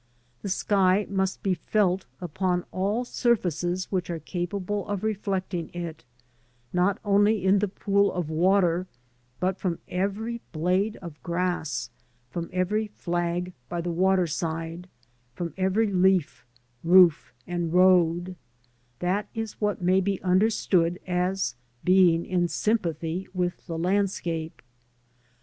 The sky must be felt \ upon all surfaces which are capable of reflecting it, not only in the pooT of water, but from every blade of grass, from every flag by the waterside, from every leaf, roof, an^ That is what may be understood as being in sympathy with the landscape.